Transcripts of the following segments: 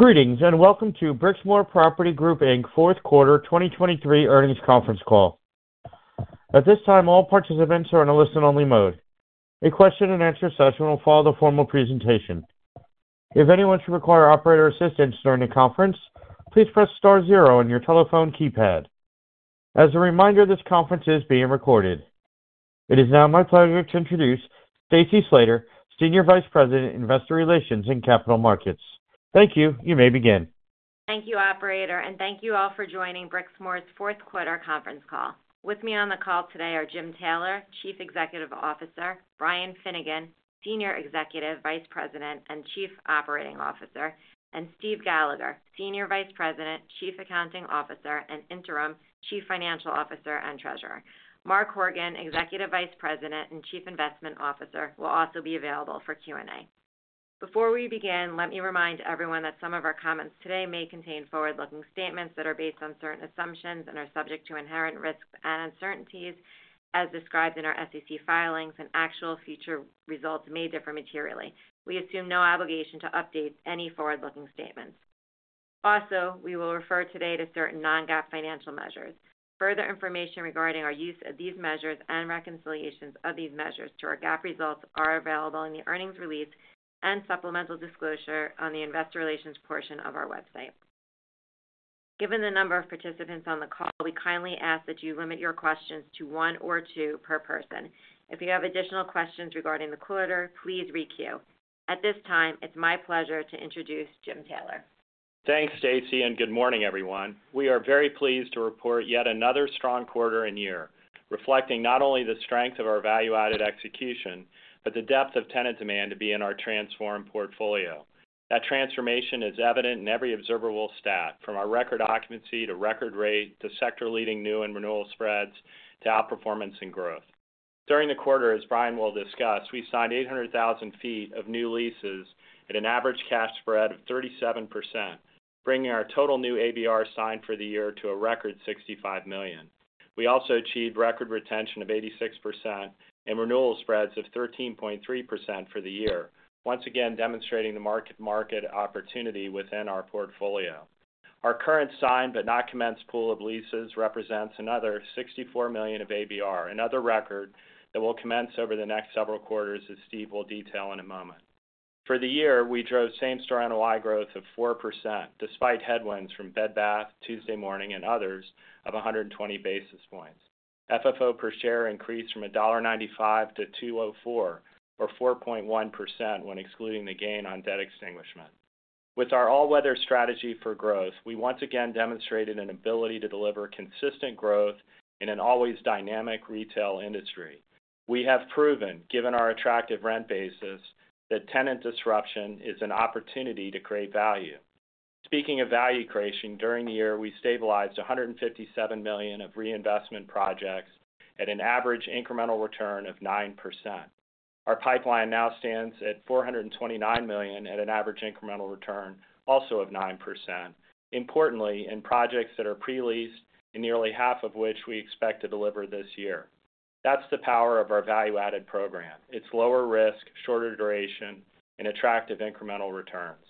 Greetings and welcome to Brixmor Property Group Inc fourth quarter 2023 earnings conference call. At this time, all participants are in a listen-only mode. A question-and-answer session will follow the formal presentation. If anyone should require operator assistance during the conference, please press star zero on your telephone keypad. As a reminder, this conference is being recorded. It is now my pleasure to introduce Stacy Slater, Senior Vice President, Investor Relations and Capital Markets. Thank you. You may begin. Thank you, Operator, and thank you all for joining Brixmor's fourth quarter conference call. With me on the call today are Jim Taylor, Chief Executive Officer, Brian Finnegan, Senior Executive Vice President and Chief Operating Officer, and Steve Gallagher, Senior Vice President, Chief Accounting Officer and interim Chief Financial Officer and Treasurer. Mark Horgan, Executive Vice President and Chief Investment Officer, will also be available for Q&A. Before we begin, let me remind everyone that some of our comments today may contain forward-looking statements that are based on certain assumptions and are subject to inherent risks and uncertainties, as described in our SEC filings, and actual future results may differ materially. We assume no obligation to update any forward-looking statements. Also, we will refer today to certain non-GAAP financial measures. Further information regarding our use of these measures and reconciliations of these measures to our GAAP results is available in the earnings release and supplemental disclosure on the Investor Relations portion of our website. Given the number of participants on the call, we kindly ask that you limit your questions to one or two per person. If you have additional questions regarding the quarter, please requeue. At this time, it's my pleasure to introduce Jim Taylor. Thanks, Stacy, and good morning, everyone. We are very pleased to report yet another strong quarter in year, reflecting not only the strength of our value-added execution but the depth of tenant demand to be in our Transform portfolio. That transformation is evident in every observable stat, from our record occupancy to record rate to sector-leading new and renewal spreads to outperformance and growth. During the quarter, as Brian will discuss, we signed 800,000 feet of new leases at an average cash spread of 37%, bringing our total new ABR signed for the year to a record $65 million. We also achieved record retention of 86% and renewal spreads of 13.3% for the year, once again demonstrating the market opportunity within our portfolio. Our current signed but not commenced pool of leases represents another $64 million of ABR, another record that will commence over the next several quarters, as Steve will detail in a moment. For the year, we drove same-store NOI growth of 4% despite headwinds from Bed Bath, Tuesday Morning, and others of 120 basis points. FFO per share increased from $1.95 to $2.04, or 4.1% when excluding the gain on debt extinguishment. With our all-weather strategy for growth, we once again demonstrated an ability to deliver consistent growth in an always dynamic retail industry. We have proven, given our attractive rent basis, that tenant disruption is an opportunity to create value. Speaking of value creation, during the year we stabilized $157 million of reinvestment projects at an average incremental return of 9%. Our pipeline now stands at $429 million at an average incremental return, also of 9%, importantly in projects that are pre-leased and nearly half of which we expect to deliver this year. That's the power of our value-added program: its lower risk, shorter duration, and attractive incremental returns.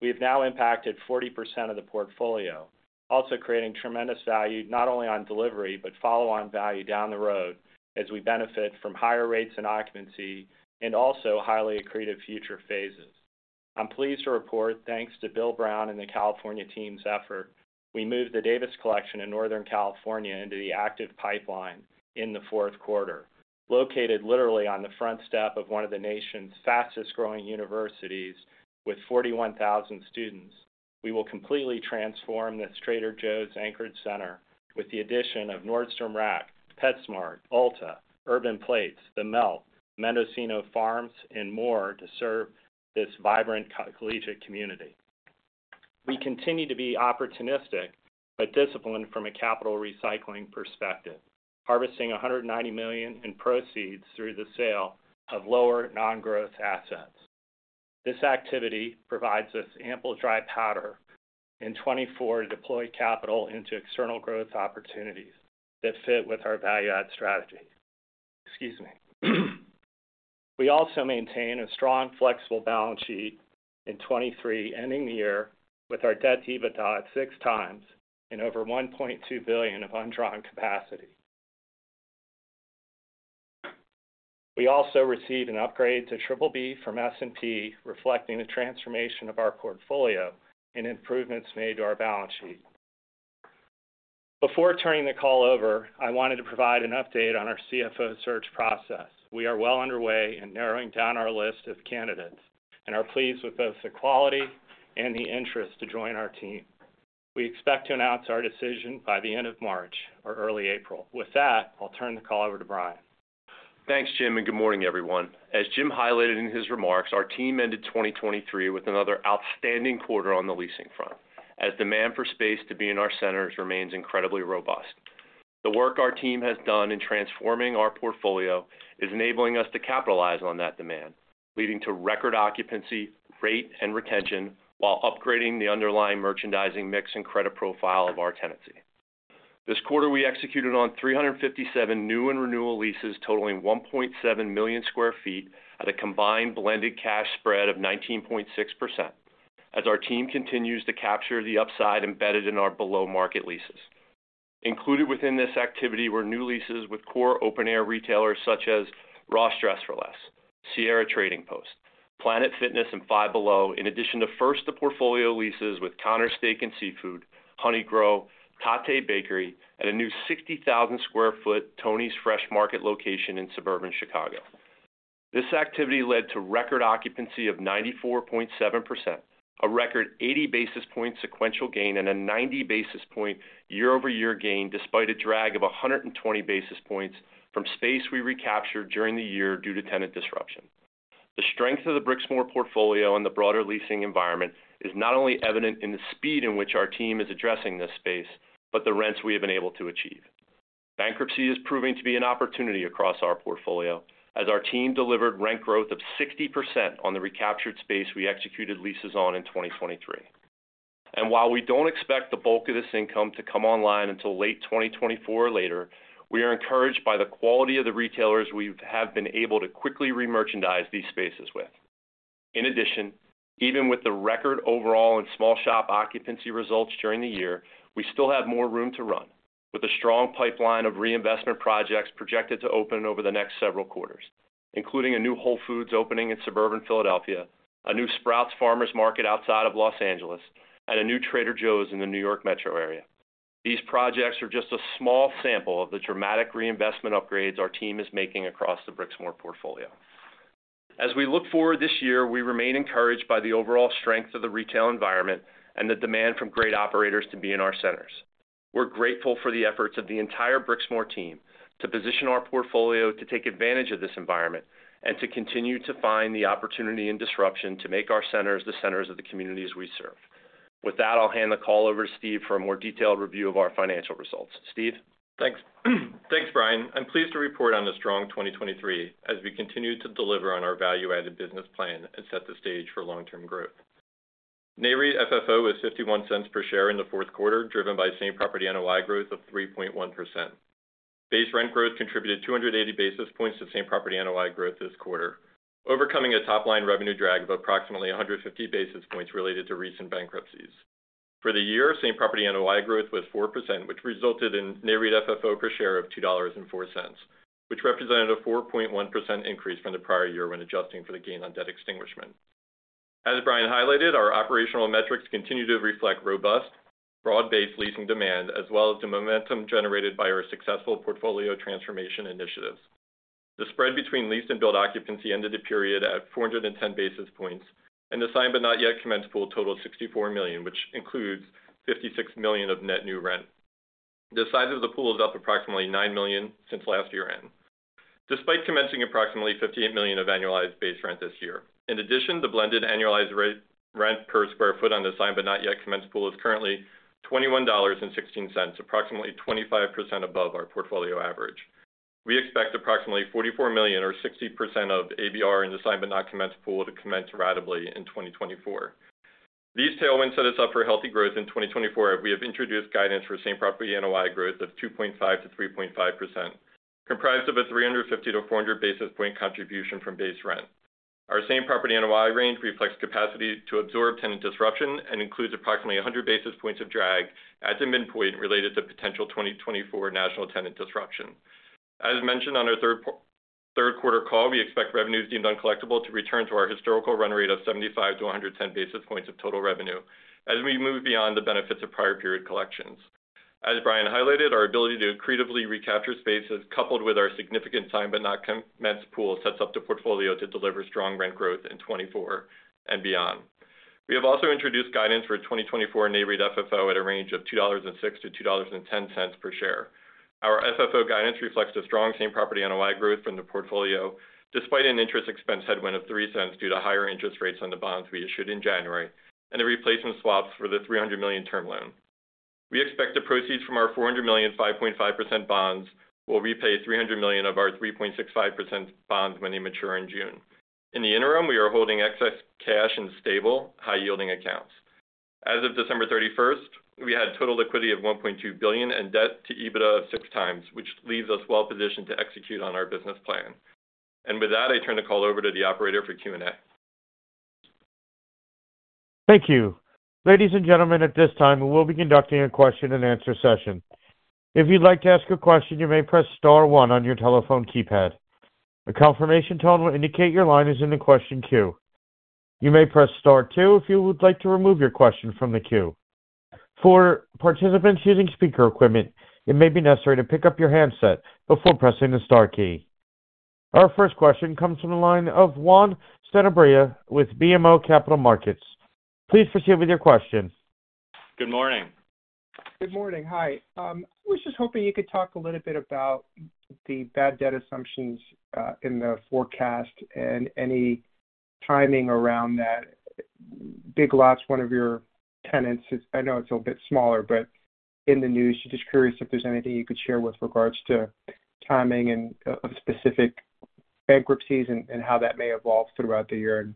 We have now impacted 40% of the portfolio, also creating tremendous value not only on delivery but follow-on value down the road as we benefit from higher rates in occupancy and also highly accretive future phases. I'm pleased to report, thanks to Bill Brown and the California team's effort, we moved the Davis Collection in Northern California into the active pipeline in the fourth quarter. Located literally on the front step of one of the nation's fastest-growing universities with 41,000 students, we will completely transform the Trader Joe's anchored center with the addition of Nordstrom Rack, PetSmart, Ulta, Urban Plates, The Melt, Mendocino Farms, and more to serve this vibrant, collegiate community. We continue to be opportunistic but disciplined from a capital recycling perspective, harvesting $190 million in proceeds through the sale of lower non-growth assets. This activity provides us ample dry powder in 2024 to deploy capital into external growth opportunities that fit with our value-add strategy. Excuse me. We also maintain a strong, flexible balance sheet in 2023, ending the year with our debt EBITDA at 6x and over $1.2 billion of undrawn capacity. We also received an upgrade to BBB from S&P, reflecting the transformation of our portfolio and improvements made to our balance sheet. Before turning the call over, I wanted to provide an update on our CFO search process. We are well underway in narrowing down our list of candidates and are pleased with both the quality and the interest to join our team. We expect to announce our decision by the end of March or early April. With that, I'll turn the call over to Brian. Thanks, Jim, and good morning, everyone. As Jim highlighted in his remarks, our team ended 2023 with another outstanding quarter on the leasing front, as demand for space to be in our centers remains incredibly robust. The work our team has done in transforming our portfolio is enabling us to capitalize on that demand, leading to record occupancy, rate, and retention while upgrading the underlying merchandising mix and credit profile of our tenancy. This quarter we executed on 357 new and renewal leases totaling 1.7 million sq ft at a combined blended cash spread of 19.6%, as our team continues to capture the upside embedded in our below-market leases. Included within this activity were new leases with core open-air retailers such as Ross Dress for Less, Sierra Trading Post, Planet Fitness, and Five Below, in addition to first-to-portfolio leases with Connors Steak & Seafood, Honeygrow, Tatte Bakery, and a new 60,000 sq ft Tony's Fresh Market location in suburban Chicago. This activity led to record occupancy of 94.7%, a record 80 basis points sequential gain, and a 90 basis point year-over-year gain despite a drag of 120 basis points from space we recaptured during the year due to tenant disruption. The strength of the Brixmor portfolio and the broader leasing environment is not only evident in the speed in which our team is addressing this space but the rents we have been able to achieve. Bankruptcy is proving to be an opportunity across our portfolio, as our team delivered rent growth of 60% on the recaptured space we executed leases on in 2023. And while we don't expect the bulk of this income to come online until late 2024 or later, we are encouraged by the quality of the retailers we have been able to quickly remerchandise these spaces with. In addition, even with the record overall and small shop occupancy results during the year, we still have more room to run, with a strong pipeline of reinvestment projects projected to open over the next several quarters, including a new Whole Foods opening in suburban Philadelphia, a new Sprouts Farmers Market outside of Los Angeles, and a new Trader Joe's in the New York Metro area. These projects are just a small sample of the dramatic reinvestment upgrades our team is making across the Brixmor portfolio. As we look forward this year, we remain encouraged by the overall strength of the retail environment and the demand from great operators to be in our centers. We're grateful for the efforts of the entire Brixmor team to position our portfolio to take advantage of this environment and to continue to find the opportunity in disruption to make our centers the centers of the communities we serve. With that, I'll hand the call over to Steve for a more detailed review of our financial results. Steve? Thanks. Thanks, Brian. I'm pleased to report on a strong 2023 as we continue to deliver on our value-added business plan and set the stage for long-term growth. Nareit FFO was $0.51 per share in the fourth quarter, driven by same-property NOI growth of 3.1%. Base rent growth contributed 280 basis points to same-property NOI growth this quarter, overcoming a top-line revenue drag of approximately 150 basis points related to recent bankruptcies. For the year, same-property NOI growth was 4%, which resulted in Nareit FFO per share of $2.04, which represented a 4.1% increase from the prior year when adjusting for the gain on debt extinguishment. As Brian highlighted, our operational metrics continue to reflect robust, broad-based leasing demand as well as the momentum generated by our successful portfolio transformation initiatives. The spread between leased and occupied occupancy ended the period at 410 basis points and the signed but not yet commenced pool totaled $64 million, which includes $56 million of net new rent. The size of the pool is up approximately $9 million since last year end, despite commencing approximately $58 million of annualized base rent this year. In addition, the blended annualized rent per sq ft on the signed but not yet commenced pool is currently $21.16, approximately 25% above our portfolio average. We expect approximately $44 million or 60% of ABR in the signed but not yet commenced pool to commence in 2024. These tailwinds set us up for healthy growth in 2024 as we have introduced guidance for same-property NOI growth of 2.5%-3.5%, comprised of a 350-400 basis points contribution from base rent. Our same-property NOI range reflects capacity to absorb tenant disruption and includes approximately 100 basis points of drag at the midpoint related to potential 2024 national tenant disruption. As mentioned on our third quarter call, we expect revenues deemed uncollectible to return to our historical run rate of 75 to 110 basis points of total revenue as we move beyond the benefits of prior period collections. As Brian highlighted, our ability to accretively recapture spaces coupled with our significant signed but not commenced pool sets up the portfolio to deliver strong rent growth in 2024 and beyond. We have also introduced guidance for 2024 Nareit FFO at a range of $2.06-$2.10 per share. Our FFO guidance reflects a strong same-property NOI growth from the portfolio despite an interest expense headwind of $0.03 due to higher interest rates on the bonds we issued in January and the replacement swaps for the $300 million term loan. We expect the proceeds from our $400 million 5.5% bonds will repay $300 million of our 3.65% bonds when they mature in June. In the interim, we are holding excess cash in stable, high-yielding accounts. As of December 31st, we had total liquidity of $1.2 billion and debt to EBITDA of 6x, which leaves us well positioned to execute on our business plan. With that, I turn the call over to the operator for Q&A. Thank you. Ladies and gentlemen, at this time, we will be conducting a question-and-answer session. If you'd like to ask a question, you may press star one on your telephone keypad. A confirmation tone will indicate your line is in the question queue. You may press star two if you would like to remove your question from the queue. For participants using speaker equipment, it may be necessary to pick up your handset before pressing the star key. Our first question comes from the line of Juan Sanabria with BMO Capital Markets. Please proceed with your question. Good morning. Good morning. Hi. I was just hoping you could talk a little bit about the bad debt assumptions in the forecast and any timing around that. Big Lots, one of your tenants—I know it's a little bit smaller—but in the news, just curious if there's anything you could share with regards to timing of specific bankruptcies and how that may evolve throughout the year and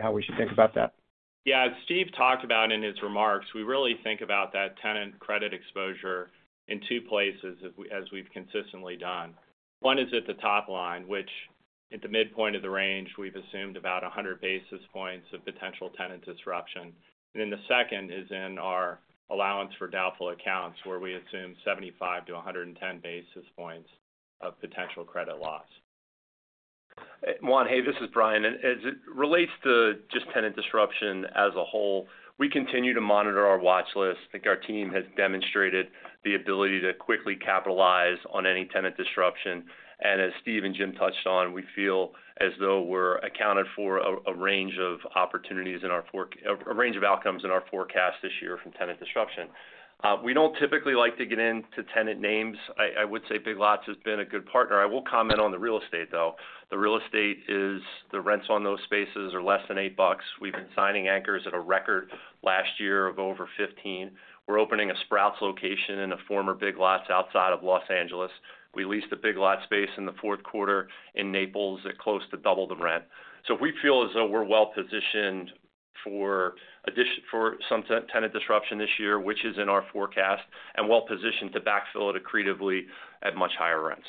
how we should think about that. Yeah. As Steve talked about in his remarks, we really think about that tenant credit exposure in two places, as we've consistently done. One is at the top line, which at the midpoint of the range, we've assumed about 100 basis points of potential tenant disruption. And then the second is in our allowance for doubtful accounts, where we assume 75-110 basis points of potential credit loss. Juan, hey, this is Brian. As it relates to just tenant disruption as a whole, we continue to monitor our watchlist. I think our team has demonstrated the ability to quickly capitalize on any tenant disruption. And as Steve and Jim touched on, we feel as though we're accounted for a range of opportunities in our, a range of outcomes in our forecast this year from tenant disruption. We don't typically like to get into tenant names. I would say Big Lots has been a good partner. I will comment on the real estate, though. The real estate is the rents on those spaces are less than $8. We've been signing anchors at a record last year of over $15. We're opening a Sprouts location in a former Big Lots outside of Los Angeles. We leased a Big Lots space in the fourth quarter in Naples that's close to double the rent. So we feel as though we're well positioned for some tenant disruption this year, which is in our forecast, and well positioned to backfill it accretively at much higher rents.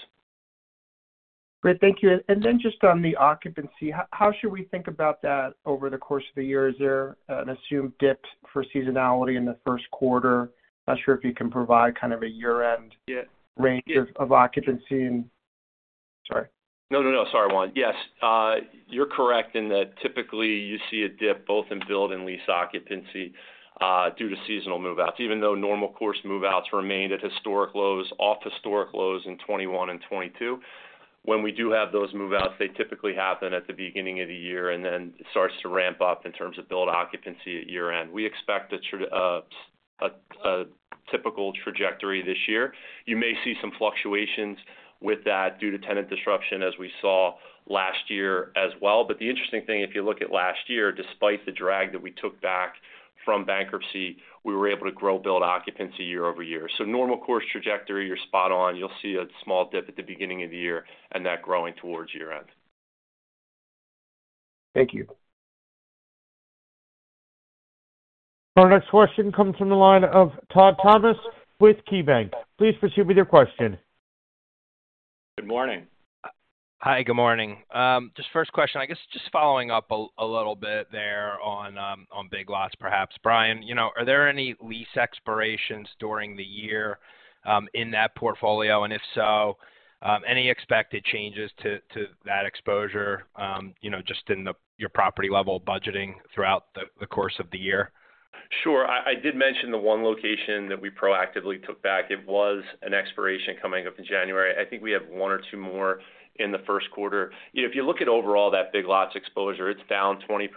Great. Thank you. And then just on the occupancy, how should we think about that over the course of the year? Is there an assumed dip for seasonality in the first quarter? Not sure if you can provide kind of a year-end range of occupancy and sorry. No, no, no. Sorry, Juan. Yes. You're correct in that typically you see a dip both in billed and lease occupancy due to seasonal moveouts, even though normal course moveouts remained at historic lows, off-historic lows in 2021 and 2022. When we do have those moveouts, they typically happen at the beginning of the year, and then it starts to ramp up in terms of billed occupancy at year-end. We expect a typical trajectory this year. You may see some fluctuations with that due to tenant disruption, as we saw last year as well. But the interesting thing, if you look at last year, despite the drag that we took back from bankruptcy, we were able to grow billed occupancy year-over-year. So normal course trajectory, you're spot on. You'll see a small dip at the beginning of the year and that growing towards year-end. Thank you. Our next question comes from the line of Todd Thomas with KeyBanc. Please proceed with your question. Good morning. Hi. Good morning. Just first question, I guess just following up a little bit there on Big Lots, perhaps. Brian, are there any lease expirations during the year in that portfolio? And if so, any expected changes to that exposure just in your property-level budgeting throughout the course of the year? Sure. I did mention the one location that we proactively took back. It was an expiration coming up in January. I think we have one or two more in the first quarter. If you look at overall that Big Lots exposure, it's down 20%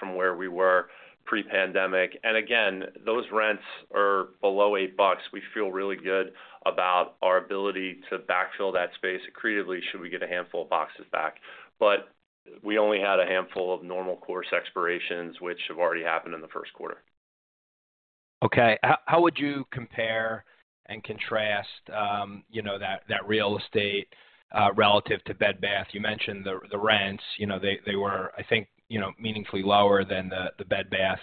from where we were pre-pandemic. And again, those rents are below $8. We feel really good about our ability to backfill that space accretively should we get a handful of boxes back. But we only had a handful of normal course expirations, which have already happened in the first quarter. Okay. How would you compare and contrast that real estate relative to Bed Bath & Beyond? You mentioned the rents. They were, I think, meaningfully lower than the Bed Bath & Beyond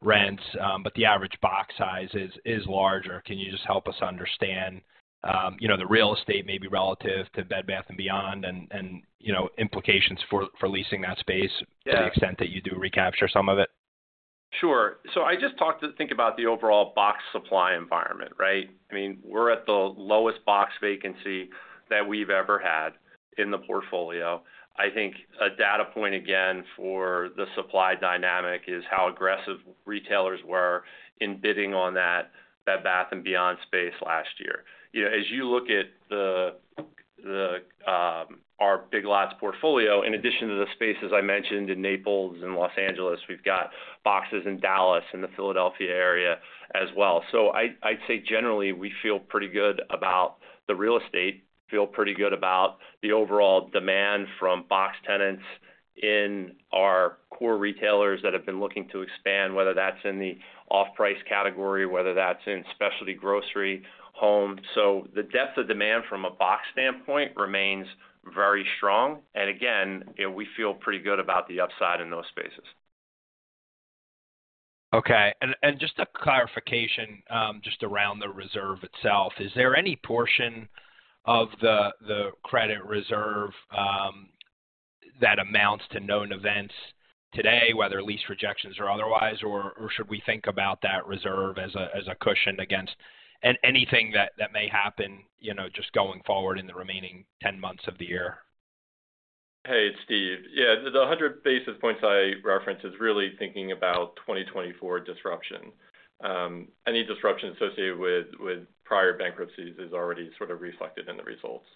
rents, but the average box size is larger. Can you just help us understand the real estate, maybe relative to Bed Bath & Beyond, and implications for leasing that space to the extent that you do recapture some of it? Sure. So I just want to talk about the overall box supply environment, right? I mean, we're at the lowest box vacancy that we've ever had in the portfolio. I think a data point, again, for the supply dynamic is how aggressive retailers were in bidding on that Bed Bath and Beyond space last year. As you look at our Big Lots portfolio, in addition to the spaces I mentioned in Naples and Los Angeles, we've got boxes in Dallas and the Philadelphia area as well. So I'd say generally, we feel pretty good about the real estate, feel pretty good about the overall demand from box tenants in our core retailers that have been looking to expand, whether that's in the off-price category, whether that's in specialty grocery, home. So the depth of demand from a box standpoint remains very strong. And again, we feel pretty good about the upside in those spaces. Okay. And just a clarification just around the reserve itself, is there any portion of the credit reserve that amounts to known events today, whether lease rejections or otherwise, or should we think about that reserve as a cushion against anything that may happen just going forward in the remaining 10 months of the year? Hey, it's Steve. Yeah. The 100 basis points I referenced is really thinking about 2024 disruption. Any disruption associated with prior bankruptcies is already sort of reflected in the results.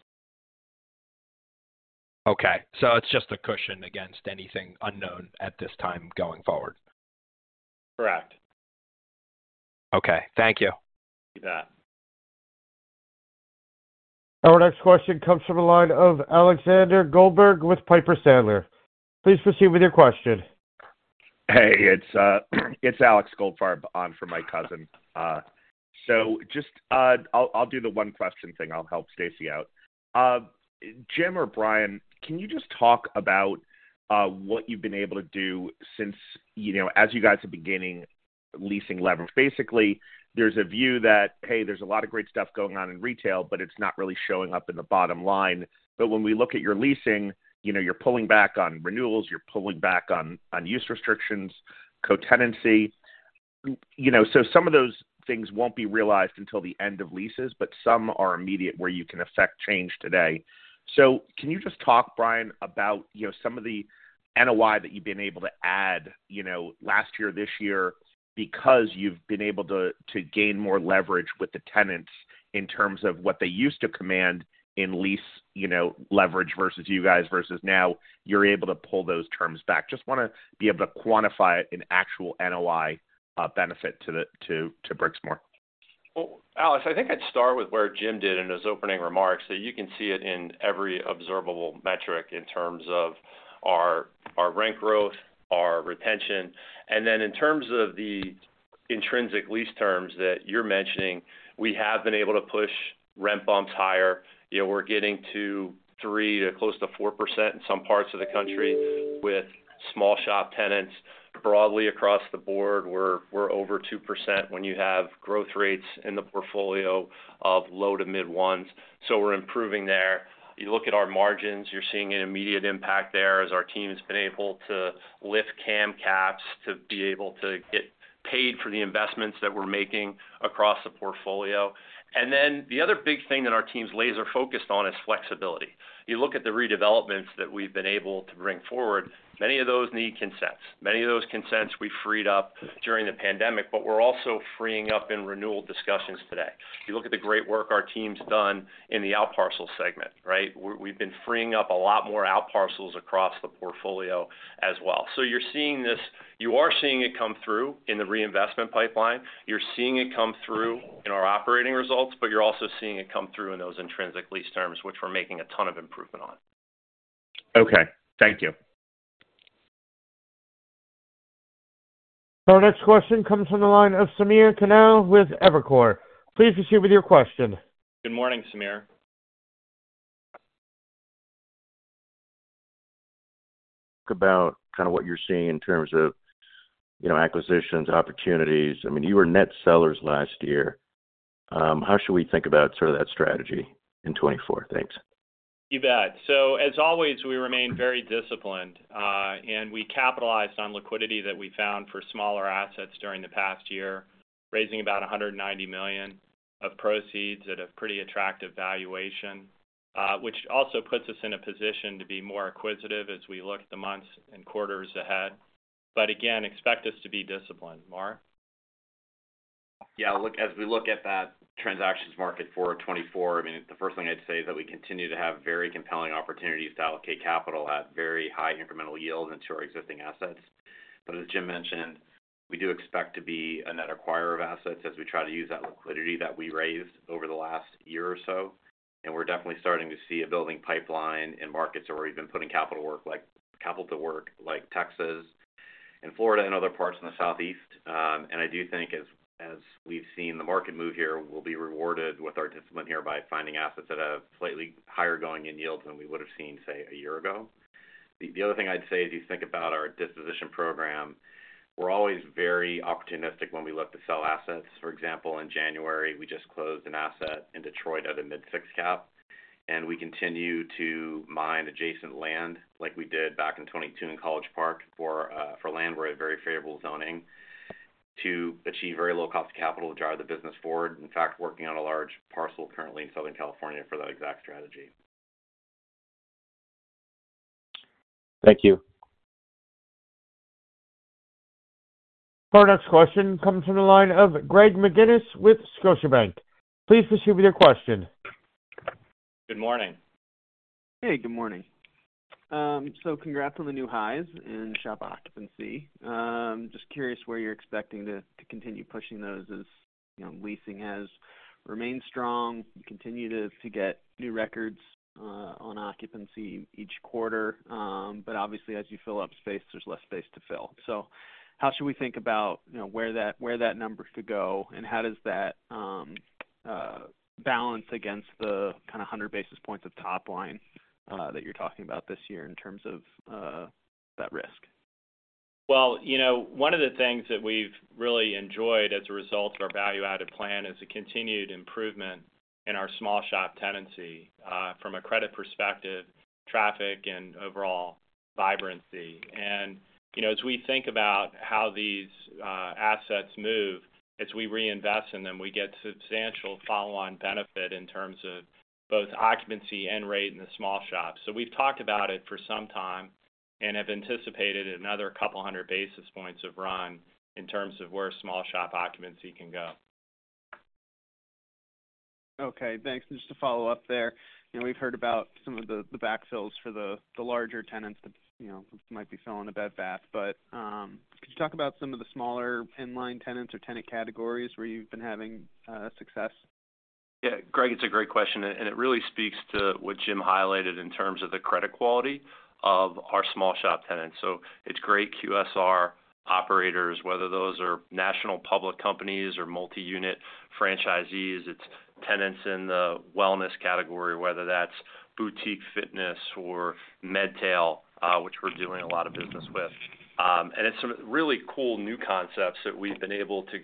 Okay. So it's just a cushion against anything unknown at this time going forward. Correct. Okay. Thank you. Thank you for that. Our next question comes from the line of Alexander Goldfarb with Piper Sandler. Please proceed with your question. Hey, it's Alex Goldfarb on from my cousin. So just, I'll do the one-question thing. I'll help Stacy out. Jim or Brian, can you just talk about what you've been able to do since as you guys are beginning leasing leverage? Basically, there's a view that, hey, there's a lot of great stuff going on in retail, but it's not really showing up in the bottom line. But when we look at your leasing, you're pulling back on renewals, you're pulling back on use restrictions, cotenancy. So some of those things won't be realized until the end of leases, but some are immediate where you can affect change today. Can you just talk, Brian, about some of the NOI that you've been able to add last year, this year, because you've been able to gain more leverage with the tenants in terms of what they used to command in lease leverage versus you guys versus now you're able to pull those terms back? Just want to be able to quantify an actual NOI benefit to Brixmor. Well, Alex, I think I'd start with where Jim did in his opening remarks. So you can see it in every observable metric in terms of our rent growth, our retention. And then in terms of the intrinsic lease terms that you're mentioning, we have been able to push rent bumps higher. We're getting to 3% to close to 4% in some parts of the country with small shop tenants. Broadly across the board, we're over 2% when you have growth rates in the portfolio of low to mid ones. So we're improving there. You look at our margins, you're seeing an immediate impact there as our team has been able to lift CAM caps to be able to get paid for the investments that we're making across the portfolio. And then the other big thing that our team's laser-focused on is flexibility. You look at the redevelopments that we've been able to bring forward. Many of those need consents. Many of those consents, we freed up during the pandemic, but we're also freeing up in renewal discussions today. You look at the great work our team's done in the outparcel segment, right? We've been freeing up a lot more outparcels across the portfolio as well. So you're seeing this, you are seeing it come through in the reinvestment pipeline. You're seeing it come through in our operating results, but you're also seeing it come through in those intrinsic lease terms, which we're making a ton of improvement on. Okay. Thank you. Our next question comes from the line of Samir Khanal with Evercore. Please proceed with your question. Good morning, Samir. Talk about kind of what you're seeing in terms of acquisitions, opportunities. I mean, you were net sellers last year. How should we think about sort of that strategy in 2024? Thanks. You bet. So as always, we remain very disciplined, and we capitalized on liquidity that we found for smaller assets during the past year, raising about $190 million of proceeds at a pretty attractive valuation, which also puts us in a position to be more acquisitive as we look at the months and quarters ahead. But again, expect us to be disciplined, Mark. Yeah. Look, as we look at that transactions market for 2024, I mean, the first thing I'd say is that we continue to have very compelling opportunities to allocate capital at very high incremental yields into our existing assets. But as Jim mentioned, we do expect to be a net acquirer of assets as we try to use that liquidity that we raised over the last year or so. And we're definitely starting to see a building pipeline in markets where we've been putting capital to work like Texas and Florida and other parts in the Southeast. And I do think as we've seen the market move here, we'll be rewarded with our discipline here by finding assets that have slightly higher going-in yields than we would have seen, say, a year ago. The other thing I'd say is you think about our disposition program. We're always very opportunistic when we look to sell assets. For example, in January, we just closed an asset in Detroit at a mid-six cap. We continue to mine adjacent land like we did back in 2022 in College Park for land where it had very favorable zoning to achieve very low cost of capital to drive the business forward. In fact, working on a large parcel currently in Southern California for that exact strategy. Thank you. Our next question comes from the line of Greg McGinniss with Scotiabank. Please proceed with your question. Good morning. Hey. Good morning. So congrats on the new highs in shop occupancy. Just curious where you're expecting to continue pushing those as leasing has remained strong. You continue to get new records on occupancy each quarter. But obviously, as you fill up space, there's less space to fill. So how should we think about where that number could go, and how does that balance against the kind of 100 basis points of top line that you're talking about this year in terms of that risk? Well, one of the things that we've really enjoyed as a result of our value-added plan is a continued improvement in our small shop tenancy from a credit perspective, traffic, and overall vibrancy. And as we think about how these assets move, as we reinvest in them, we get substantial follow-on benefit in terms of both occupancy and rate in the small shops. So we've talked about it for some time and have anticipated another 200 basis points of run in terms of where small shop occupancy can go. Okay. Thanks. And just to follow up there, we've heard about some of the backfills for the larger tenants that might be filling a Bed Bath. But could you talk about some of the smaller inline tenants or tenant categories where you've been having success? Yeah. Greg, it's a great question. And it really speaks to what Jim highlighted in terms of the credit quality of our small shop tenants. So it's great QSR operators, whether those are national public companies or multi-unit franchisees. It's tenants in the wellness category, whether that's boutique fitness or MedTail, which we're doing a lot of business with. And it's some really cool new concepts that we've been able to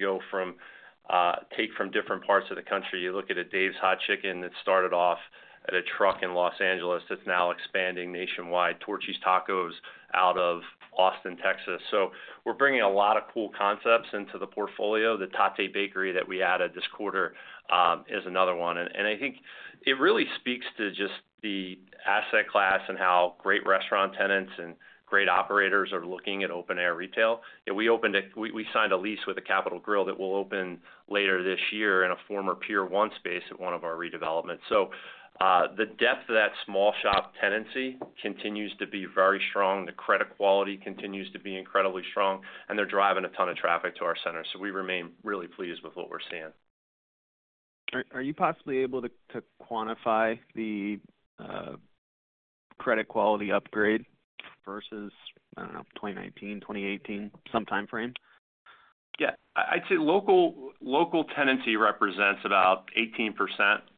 take from different parts of the country. You look at a Dave's Hot Chicken that started off at a truck in Los Angeles. It's now expanding nationwide Torchy's Tacos out of Austin, Texas. So we're bringing a lot of cool concepts into the portfolio. The Tatte Bakery that we added this quarter is another one. I think it really speaks to just the asset class and how great restaurant tenants and great operators are looking at open-air retail. We signed a lease with a Capital Grille that will open later this year in a former Pier one space at one of our redevelopments. The depth of that small shop tenancy continues to be very strong. The credit quality continues to be incredibly strong. They're driving a ton of traffic to our center. We remain really pleased with what we're seeing. Are you possibly able to quantify the credit quality upgrade versus, I don't know, 2019, 2018, some time frame? Yeah. I'd say local tenancy represents about 18%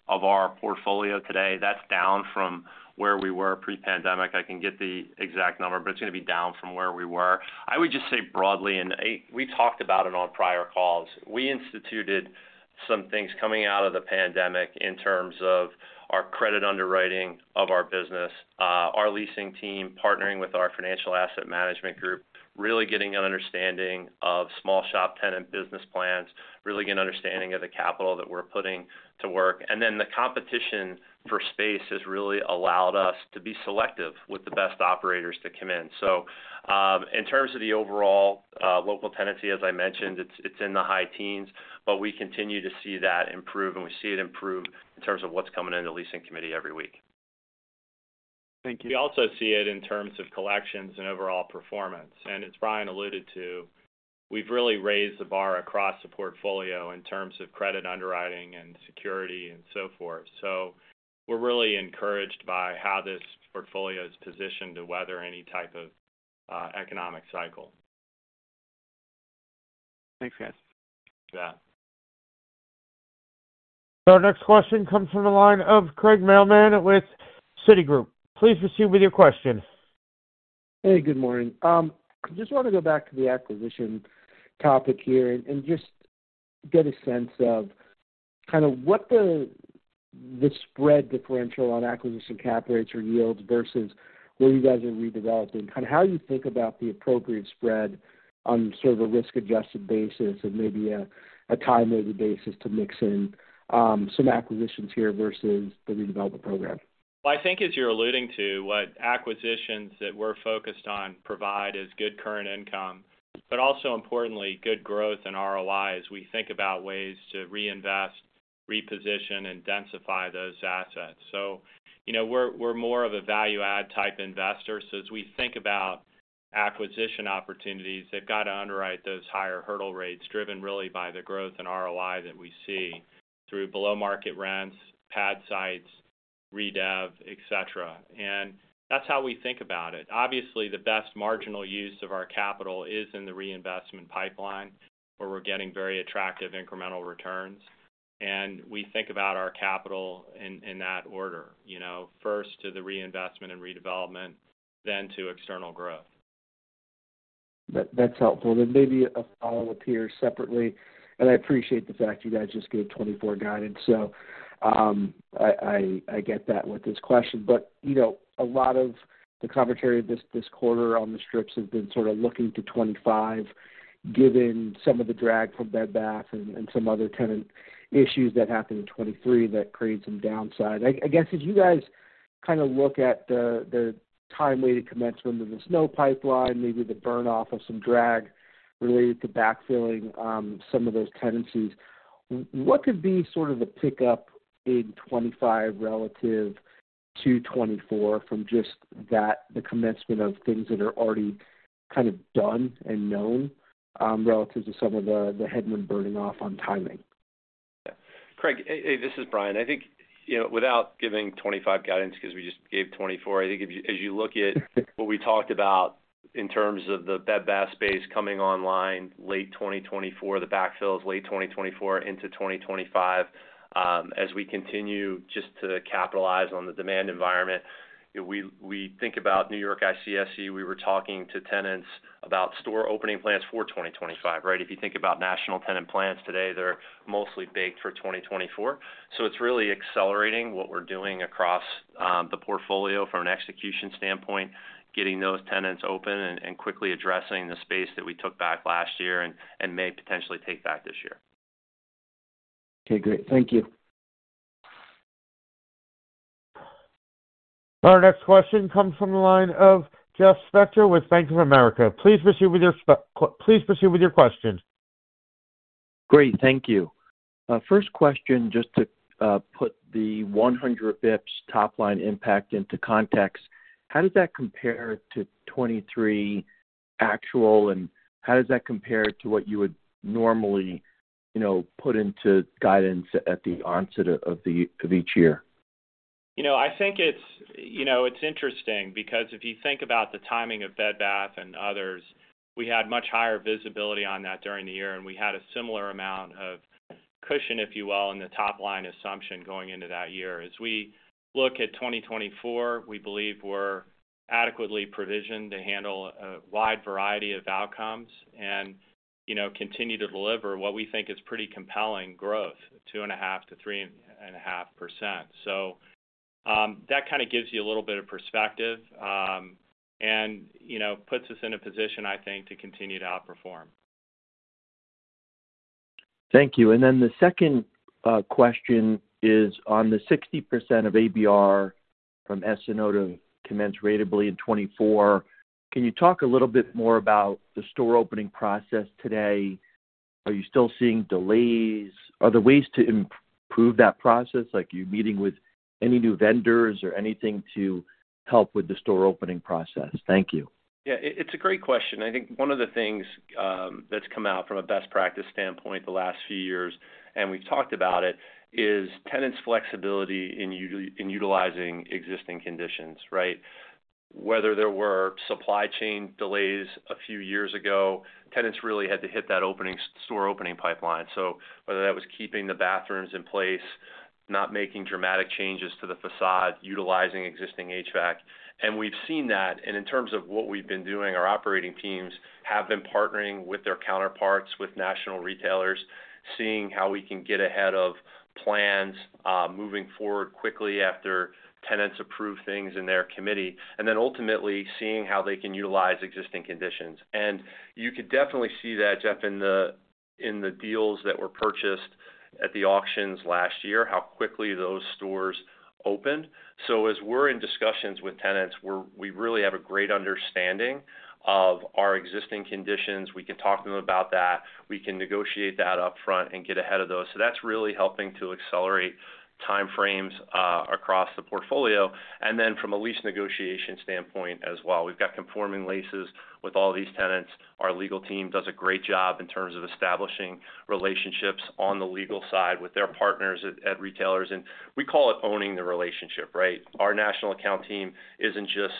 of our portfolio today. That's down from where we were pre-pandemic. I can get the exact number, but it's going to be down from where we were. I would just say broadly, and we talked about it on prior calls, we instituted some things coming out of the pandemic in terms of our credit underwriting of our business, our leasing team partnering with our financial asset management group, really getting an understanding of small shop tenant business plans, really getting an understanding of the capital that we're putting to work. And then the competition for space has really allowed us to be selective with the best operators to come in. So in terms of the overall local tenancy, as I mentioned, it's in the high teens, but we continue to see that improve, and we see it improve in terms of what's coming into leasing committee every week. Thank you. We also see it in terms of collections and overall performance. As Brian alluded to, we've really raised the bar across the portfolio in terms of credit underwriting and security and so forth. We're really encouraged by how this portfolio is positioned to weather any type of economic cycle. Thanks, guys. You bet. Our next question comes from the line of Craig Mailman with Citi. Please proceed with your question. Hey. Good morning. I just want to go back to the acquisition topic here and just get a sense of kind of what the spread differential on acquisition cap rates or yields versus where you guys are redeveloping, kind of how you think about the appropriate spread on sort of a risk-adjusted basis and maybe a time-rated basis to mix in some acquisitions here versus the redevelopment program? Well, I think as you're alluding to, what acquisitions that we're focused on provide is good current income, but also importantly, good growth and ROI as we think about ways to reinvest, reposition, and densify those assets. We're more of a value-add type investor. As we think about acquisition opportunities, they've got to underwrite those higher hurdle rates driven really by the growth and ROI that we see through below-market rents, pad sites, redev, etc. That's how we think about it. Obviously, the best marginal use of our capital is in the reinvestment pipeline where we're getting very attractive incremental returns. We think about our capital in that order, first to the reinvestment and redevelopment, then to external growth. That's helpful. Maybe a follow-up here separately. I appreciate the fact you guys just gave 2024 guidance. So I get that with this question. But a lot of the commentary this quarter on the strips has been sort of looking to 2025 given some of the drag from Bed Bath and some other tenant issues that happened in 2023 that create some downside. I guess as you guys kind of look at the time-weighted commencement of the SNO pipeline, maybe the burn-off of some drag related to backfilling some of those tenancies, what could be sort of the pickup in 2025 relative to 2024 from just the commencement of things that are already kind of done and known relative to some of the headwind burning off on timing? Yeah. Craig, hey, this is Brian. I think without giving 2025 guidance because we just gave 2024, I think as you look at what we talked about in terms of the Bed Bath space coming online late 2024, the backfills late 2024 into 2025, as we continue just to capitalize on the demand environment, we think about New York ICSC. We were talking to tenants about store opening plans for 2025, right? If you think about national tenant plans today, they're mostly baked for 2024. So it's really accelerating what we're doing across the portfolio from an execution standpoint, getting those tenants open and quickly addressing the space that we took back last year and may potentially take back this year. Okay. Great. Thank you. Our next question comes from the line of Jeff Spector with Bank of America. Please proceed with your question. Great. Thank you. First question, just to put the 100 basis points top line impact into context, how does that compare to 2023 actual, and how does that compare to what you would normally put into guidance at the onset of each year? I think it's interesting because if you think about the timing of Bed Bath and others, we had much higher visibility on that during the year, and we had a similar amount of cushion, if you will, in the top line assumption going into that year. As we look at 2024, we believe we're adequately provisioned to handle a wide variety of outcomes and continue to deliver what we think is pretty compelling growth, 2.5%-3.5%. So that kind of gives you a little bit of perspective and puts us in a position, I think, to continue to outperform. Thank you. And then the second question is on the 60% of ABR from SNO to commence ratably in 2024. Can you talk a little bit more about the store opening process today? Are you still seeing delays? Are there ways to improve that process? Are you meeting with any new vendors or anything to help with the store opening process? Thank you. Yeah. It's a great question. I think one of the things that's come out from a best practice standpoint the last few years, and we've talked about it, is tenants' flexibility in utilizing existing conditions, right? Whether there were supply chain delays a few years ago, tenants really had to hit that store opening pipeline. So whether that was keeping the bathrooms in place, not making dramatic changes to the facade, utilizing existing HVAC. And we've seen that. And in terms of what we've been doing, our operating teams have been partnering with their counterparts, with national retailers, seeing how we can get ahead of plans moving forward quickly after tenants approve things in their committee, and then ultimately seeing how they can utilize existing conditions. And you could definitely see that, Jeff, in the deals that were purchased at the auctions last year, how quickly those stores opened. So as we're in discussions with tenants, we really have a great understanding of our existing conditions. We can talk to them about that. We can negotiate that upfront and get ahead of those. So that's really helping to accelerate time frames across the portfolio. And then from a lease negotiation standpoint as well, we've got conforming leases with all these tenants. Our legal team does a great job in terms of establishing relationships on the legal side with their partners at retailers. And we call it owning the relationship, right? Our national account team isn't just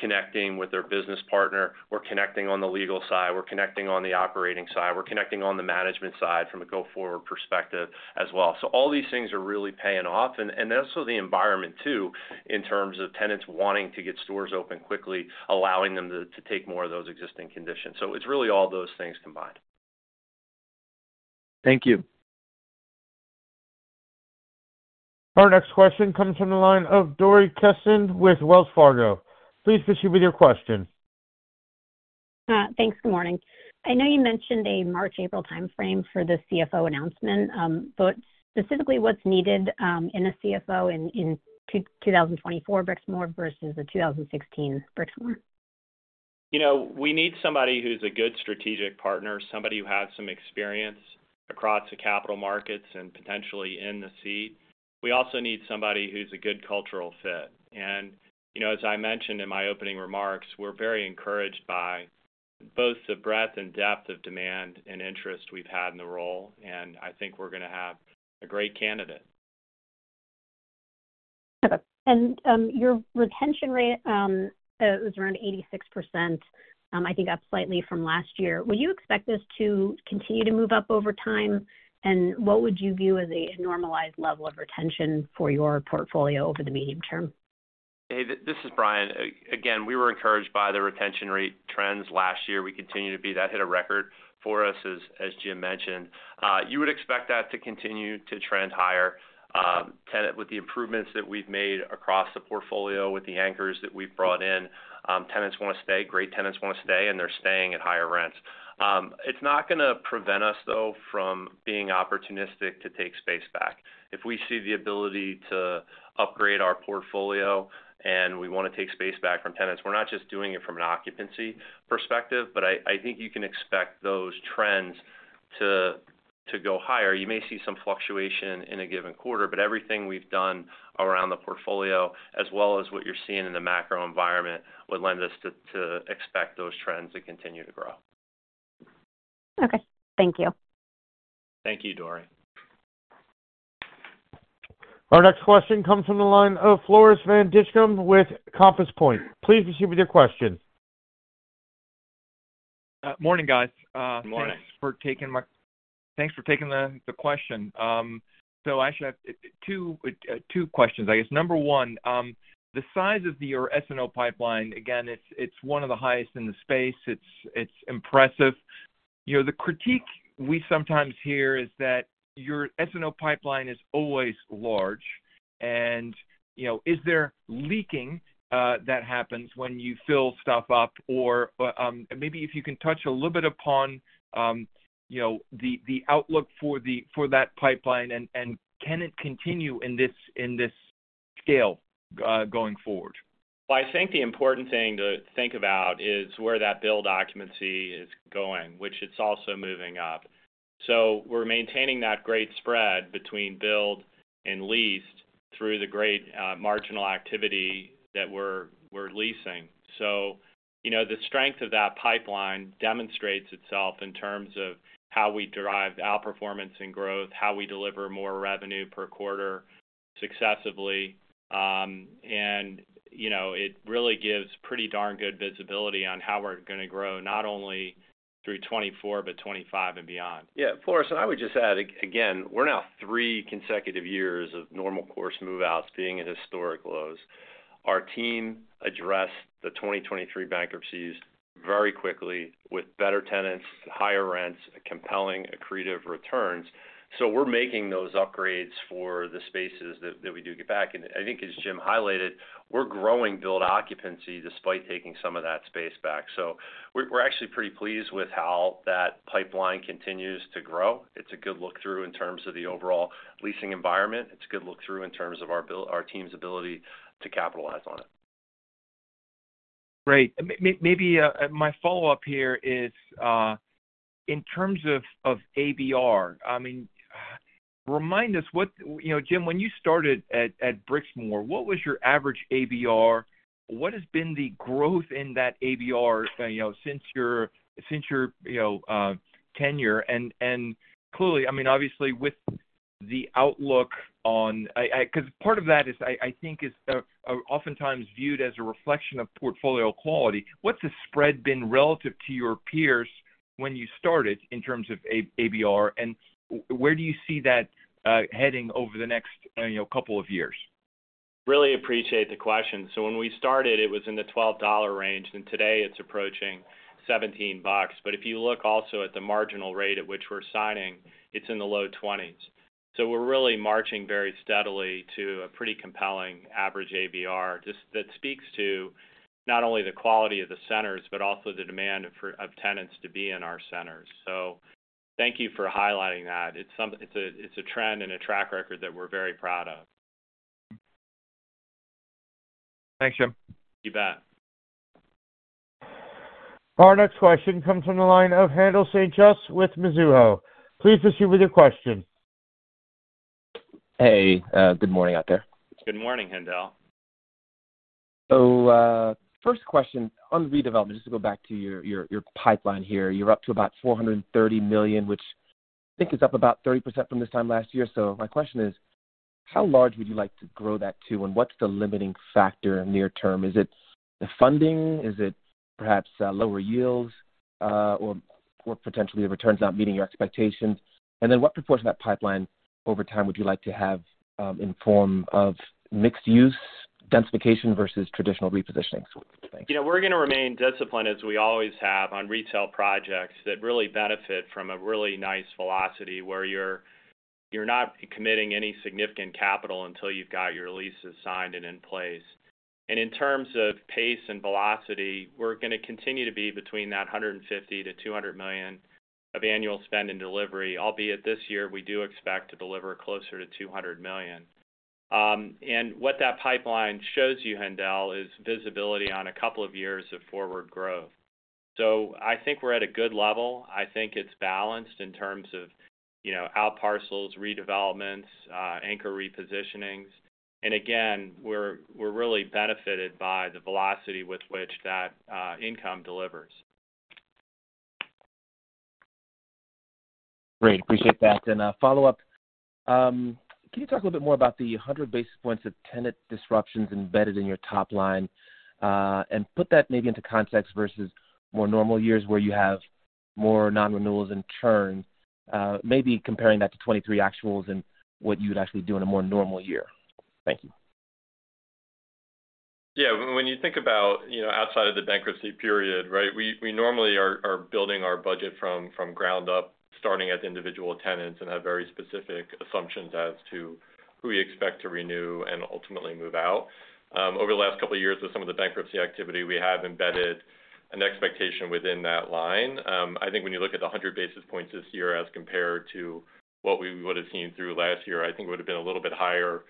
connecting with their business partner. We're connecting on the legal side. We're connecting on the operating side. We're connecting on the management side from a go-forward perspective as well. So all these things are really paying off. That's also the environment too in terms of tenants wanting to get stores open quickly, allowing them to take more of those existing conditions. It's really all those things combined. Thank you. Our next question comes from the line of Dori Kesten with Wells Fargo. Please proceed with your question. Thanks. Good morning. I know you mentioned a March, April time frame for the CFO announcement, but specifically, what's needed in a CFO in 2024, Brixmor, versus the 2016 Brixmor? We need somebody who's a good strategic partner, somebody who has some experience across the capital markets and potentially in the seat. We also need somebody who's a good cultural fit. As I mentioned in my opening remarks, we're very encouraged by both the breadth and depth of demand and interest we've had in the role. I think we're going to have a great candidate. Okay. Your retention rate was around 86%, I think, up slightly from last year. Would you expect this to continue to move up over time? What would you view as a normalized level of retention for your portfolio over the medium term? Hey, this is Brian. Again, we were encouraged by the retention rate trends last year. We continue to be. That hit a record for us, as Jim mentioned. You would expect that to continue to trend higher. With the improvements that we've made across the portfolio, with the anchors that we've brought in, tenants want to stay. Great tenants want to stay, and they're staying at higher rents. It's not going to prevent us, though, from being opportunistic to take space back. If we see the ability to upgrade our portfolio and we want to take space back from tenants, we're not just doing it from an occupancy perspective. But I think you can expect those trends to go higher. You may see some fluctuation in a given quarter, but everything we've done around the portfolio, as well as what you're seeing in the macro environment, would lend us to expect those trends to continue to grow. Okay. Thank you. Thank you, Dory. Our next question comes from the line of Floris van Dijkum with Compass Point. Please proceed with your question. Morning, guys. Thanks for taking my question. So I actually have two questions, I guess. Number one, the size of your S&O pipeline, again, it's one of the highest in the space. It's impressive. The critique we sometimes hear is that your S&O pipeline is always large. And is there leakage that happens when you fill stuff up? Or maybe if you can touch a little bit upon the outlook for that pipeline, and can it continue in this scale going forward? Well, I think the important thing to think about is where that billed occupancy is going, which is also moving up. So we're maintaining that great spread between billed and leased through the great leasing activity that we're seeing. So the strength of that pipeline demonstrates itself in terms of how we drive outperformance and growth, how we deliver more revenue per quarter successively. And it really gives pretty darn good visibility on how we're going to grow, not only through 2024 but 2025 and beyond. Yeah. Floris, and I would just add, again, we're now three consecutive years of normal course moveouts being at historic lows. Our team addressed the 2023 bankruptcies very quickly with better tenants, higher rents, compelling, accretive returns. So we're making those upgrades for the spaces that we do get back. And I think, as Jim highlighted, we're growing billed occupancy despite taking some of that space back. So we're actually pretty pleased with how that pipeline continues to grow. It's a good look-through in terms of the overall leasing environment. It's a good look-through in terms of our team's ability to capitalize on it. Great. Maybe my follow-up here is in terms of ABR. I mean, remind us, Jim, when you started at Brixmor, what was your average ABR? What has been the growth in that ABR since your tenure? And clearly, I mean, obviously, with the outlook on, because part of that, I think, is oftentimes viewed as a reflection of portfolio quality. What's the spread been relative to your peers when you started in terms of ABR? And where do you see that heading over the next couple of years? Really appreciate the question. So when we started, it was in the $12 range, and today it's approaching $17. But if you look also at the marginal rate at which we're signing, it's in the low $20s. So we're really marching very steadily to a pretty compelling average ABR that speaks to not only the quality of the centers but also the demand of tenants to be in our centers. So thank you for highlighting that. It's a trend and a track record that we're very proud of. Thanks, Jim. You bet. Our next question comes from the line of Haendel St. Juste with Mizuho. Please proceed with your question. Hey, good morning out there. Good morning, Haendel. So first question on redevelopment, just to go back to your pipeline here, you're up to about $430 million, which I think is up about 30% from this time last year. So my question is, how large would you like to grow that to, and what's the limiting factor near term? Is it the funding? Is it perhaps lower yields or potentially the returns not meeting your expectations? And then what proportion of that pipeline over time would you like to have in form of mixed-use densification versus traditional repositioning? So thanks. We're going to remain disciplined, as we always have, on retail projects that really benefit from a really nice velocity where you're not committing any significant capital until you've got your leases signed and in place. And in terms of pace and velocity, we're going to continue to be between $150 million-$200 million of annual spend and delivery. Albeit this year, we do expect to deliver closer to $200 million. And what that pipeline shows you, Haendel, is visibility on a couple of years of forward growth. So I think we're at a good level. I think it's balanced in terms of out parcels, redevelopments, anchor repositionings. And again, we're really benefited by the velocity with which that income delivers. Great. Appreciate that. Follow-up, can you talk a little bit more about the 100 basis points of tenant disruptions embedded in your top line and put that maybe into context versus more normal years where you have more non-renewals in turn, maybe comparing that to 2023 actuals and what you would actually do in a more normal year? Thank you. Yeah. When you think about outside of the bankruptcy period, right, we normally are building our budget from ground up, starting at the individual tenants, and have very specific assumptions as to who we expect to renew and ultimately move out. Over the last couple of years with some of the bankruptcy activity, we have embedded an expectation within that line. I think when you look at the 100 basis points this year as compared to what we would have seen through last year, I think it would have been a little bit higher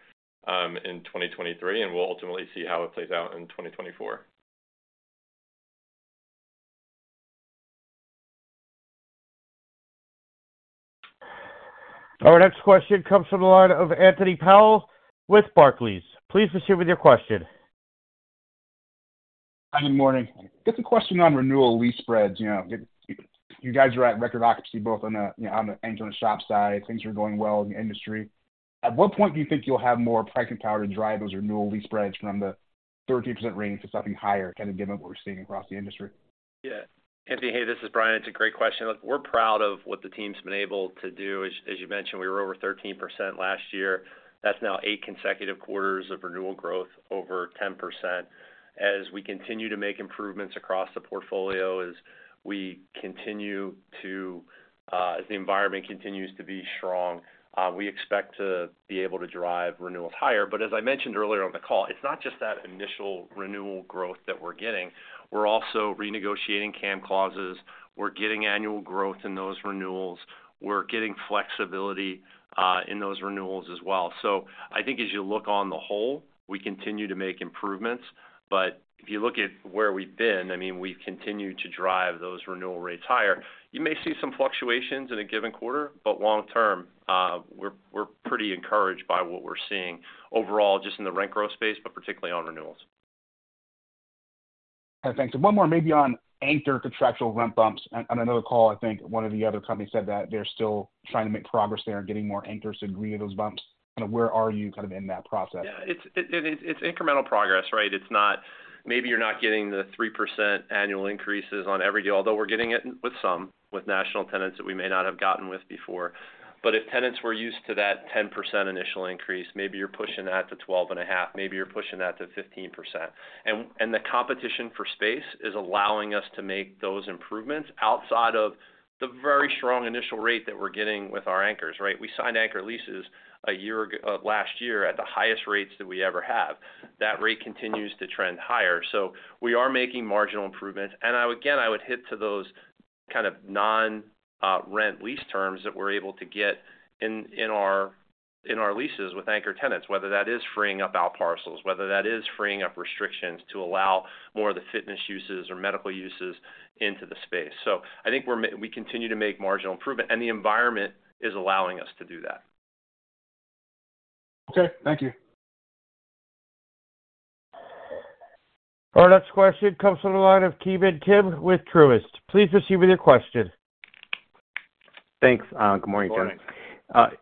in 2023, and we'll ultimately see how it plays out in 2024. Our next question comes from the line of Anthony Powell with Barclays. Please proceed with your question. Hi. Good morning. Got some question on renewal lease spreads. You guys are at record occupancy both on the anchor and shop side. Things are going well in the industry. At what point do you think you'll have more pricing power to drive those renewal lease spreads from the 30% range to something higher, kind of given what we're seeing across the industry? Yeah. Anthony, hey, this is Brian. It's a great question. Look, we're proud of what the team's been able to do. As you mentioned, we were over 13% last year. That's now eight consecutive quarters of renewal growth over 10%. As we continue to make improvements across the portfolio, as the environment continues to be strong, we expect to be able to drive renewals higher. But as I mentioned earlier on the call, it's not just that initial renewal growth that we're getting. We're also renegotiating CAM clauses. We're getting annual growth in those renewals. We're getting flexibility in those renewals as well. So I think as you look on the whole, we continue to make improvements. But if you look at where we've been, I mean, we've continued to drive those renewal rates higher. You may see some fluctuations in a given quarter, but long term, we're pretty encouraged by what we're seeing overall just in the rent growth space, but particularly on renewals. Thanks. And one more, maybe on anchor contractual rent bumps. On another call, I think one of the other companies said that they're still trying to make progress there and getting more anchors to agree to those bumps. Kind of where are you kind of in that process? Yeah. It's incremental progress, right? Maybe you're not getting the 3% annual increases on every deal, although we're getting it with some, with national tenants that we may not have gotten with before. But if tenants were used to that 10% initial increase, maybe you're pushing that to 12.5%. Maybe you're pushing that to 15%. And the competition for space is allowing us to make those improvements outside of the very strong initial rate that we're getting with our anchors, right? We signed anchor leases a year last year at the highest rates that we ever have. That rate continues to trend higher. So we are making marginal improvements. Again, I would point to those kind of non-rent lease terms that we're able to get in our leases with anchor tenants, whether that is freeing up outparcels, whether that is freeing up restrictions to allow more of the fitness uses or medical uses into the space. So I think we continue to make marginal improvement, and the environment is allowing us to do that. Okay. Thank you. Our next question comes from the line of Ki Bin Kim with Truist. Please proceed with your question. Thanks. Good morning, Jim. Good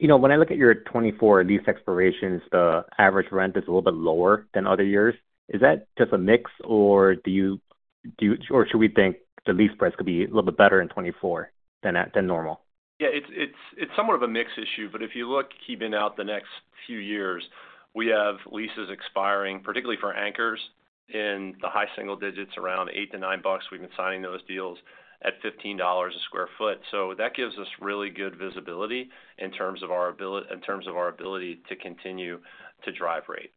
morning. When I look at your 2024 lease expirations, the average rent is a little bit lower than other years. Is that just a mix, or should we think the lease price could be a little bit better in 2024 than normal? Yeah. It's somewhat of a mix issue. But if you look keeping out the next few years, we have leases expiring, particularly for anchors, in the high single digits, around $8-$9. We've been signing those deals at $15 a sq ft. So that gives us really good visibility in terms of our ability to continue to drive rate.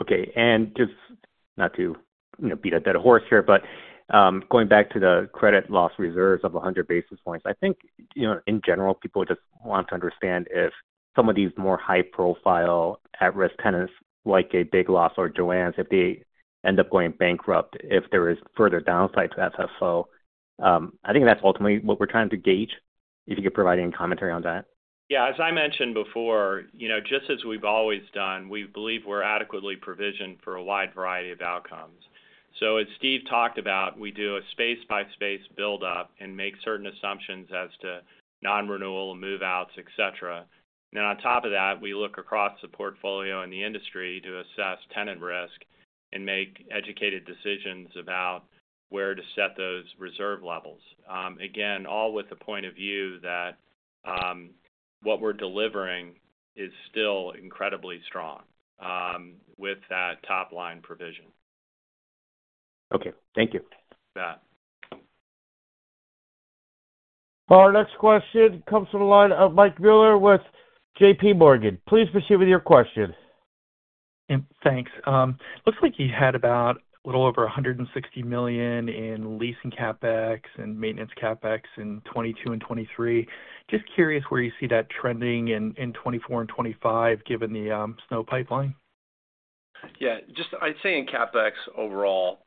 Okay. And just not to beat a dead horse here, but going back to the credit loss reserves of 100 basis points, I think in general, people just want to understand if some of these more high-profile, at-risk tenants, like a Big Lots or JOANN, if they end up going bankrupt, if there is further downside to SNO. I think that's ultimately what we're trying to gauge. If you could provide any commentary on that. Yeah. As I mentioned before, just as we've always done, we believe we're adequately provisioned for a wide variety of outcomes. So as Steve talked about, we do a space-by-space buildup and make certain assumptions as to non-renewal and moveouts, etc. And then on top of that, we look across the portfolio in the industry to assess tenant risk and make educated decisions about where to set those reserve levels. Again, all with the point of view that what we're delivering is still incredibly strong with that top-line provision. Okay. Thank you. You bet. Our next question comes from the line of Michael Mueller with JPMorgan. Please proceed with your question. Thanks. Looks like you had about a little over $160 million in leasing CapEx and maintenance CapEx in 2022 and 2023. Just curious where you see that trending in 2024 and 2025 given the SNO Pipeline. Yeah. I'd say in CapEx overall,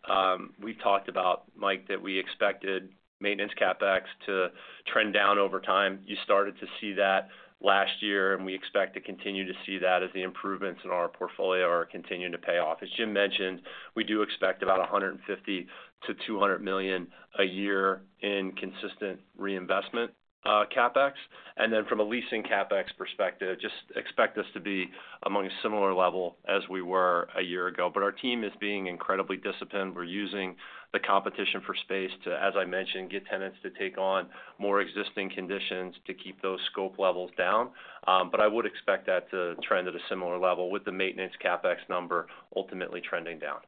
we've talked about, Mike, that we expected maintenance CapEx to trend down over time. You started to see that last year, and we expect to continue to see that as the improvements in our portfolio are continuing to pay off. As Jim mentioned, we do expect about $150 million-$200 million a year in consistent reinvestment CapEx. And then from a leasing CapEx perspective, just expect us to be among a similar level as we were a year ago. But our team is being incredibly disciplined. We're using the competition for space to, as I mentioned, get tenants to take on more existing conditions to keep those scope levels down. But I would expect that to trend at a similar level with the maintenance CapEx number ultimately trending down.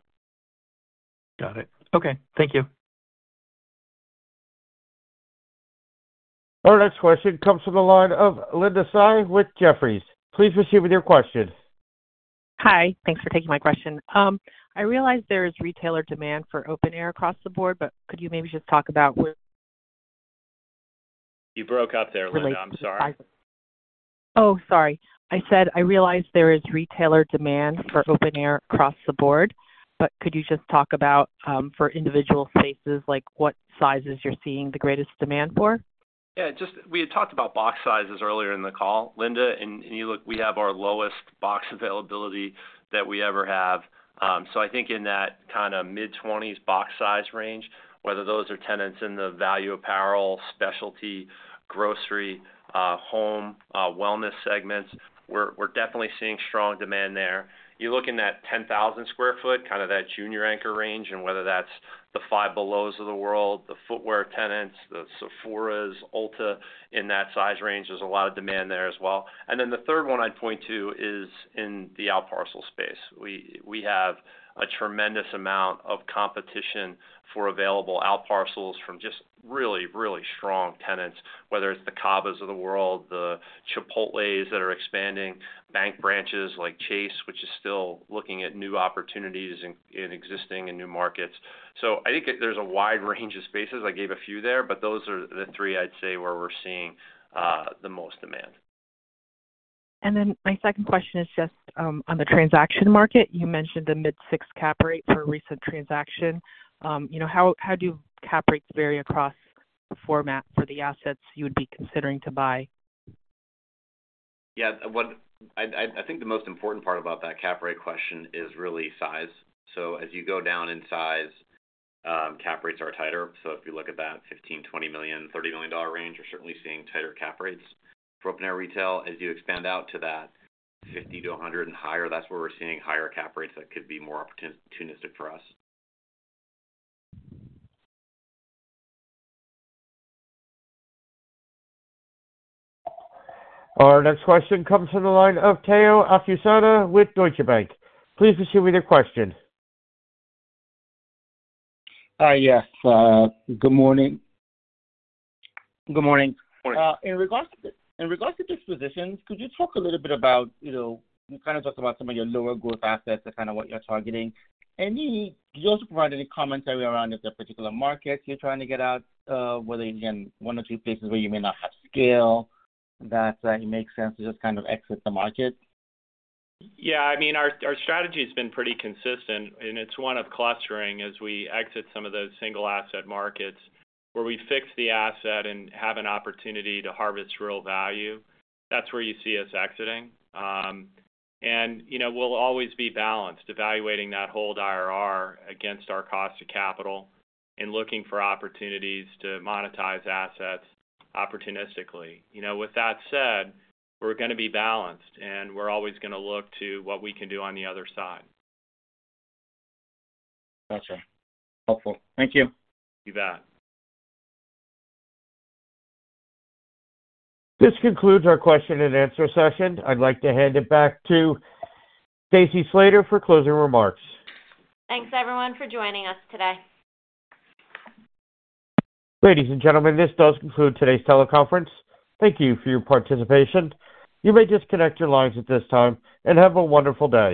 Got it. Okay. Thank you. Our next question comes from the line of Linda Tsai with Jefferies. Please proceed with your question. Hi. Thanks for taking my question. I realize there is retailer demand for open air across the board, but could you maybe just talk about? You broke up there, Linda. I'm sorry. Oh, sorry. I said I realize there is retailer demand for open air across the board, but could you just talk about for individual spaces, what sizes you're seeing the greatest demand for? Yeah. We had talked about box sizes earlier in the call, Linda. And we have our lowest box availability that we ever have. So I think in that kind of mid-20s box size range, whether those are tenants in the value apparel, specialty, grocery, home wellness segments, we're definitely seeing strong demand there. You look in that 10,000 sq ft, kind of that junior anchor range, and whether that's the Five Belows of the world, the footwear tenants, the Sephoras, Ulta, in that size range, there's a lot of demand there as well. And then the third one I'd point to is in the out parcel space. We have a tremendous amount of competition for available out parcels from just really, really strong tenants, whether it's the CAVAs of the world, the Chipotles that are expanding, bank branches like Chase, which is still looking at new opportunities in existing and new markets. So I think there's a wide range of spaces. I gave a few there, but those are the three, I'd say, where we're seeing the most demand. And then my second question is just on the transaction market. You mentioned the mid-six cap rate for a recent transaction. How do cap rates vary across format for the assets you would be considering to buy? Yeah. I think the most important part about that cap rate question is really size. So as you go down in size, cap rates are tighter. So if you look at that $15 million, $20 million, $30 million range, we're certainly seeing tighter cap rates for open air retail. As you expand out to that $50 million-$100 million and higher, that's where we're seeing higher cap rates that could be more opportunistic for us. Our next question comes from the line of Omotayo Okusanya with Deutsche Bank. Please proceed with your question. Hi. Yes. Good morning. Good morning. Good morning. In regards to dispositions, could you talk a little bit about you kind of talked about some of your lower growth assets and kind of what you're targeting. Could you also provide any commentary around if there are particular markets you're trying to get out, whether again, one or two places where you may not have scale, that it makes sense to just kind of exit the market? Yeah. I mean, our strategy has been pretty consistent, and it's one of clustering as we exit some of those single asset markets where we fix the asset and have an opportunity to harvest real value. That's where you see us exiting. We'll always be balanced, evaluating that whole IRR against our cost of capital and looking for opportunities to monetize assets opportunistically. With that said, we're going to be balanced, and we're always going to look to what we can do on the other side. Gotcha. Helpful. Thank you. You bet. This concludes our question and answer session. I'd like to hand it back to Stacy Slater for closing remarks. Thanks, everyone, for joining us today. Ladies and gentlemen, this does conclude today's teleconference. Thank you for your participation. You may disconnect your lines at this time and have a wonderful day.